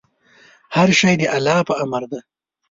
هر شی د الله په امر دی.